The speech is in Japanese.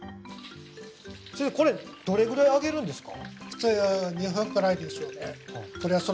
先生これどれぐらい揚げるんですか？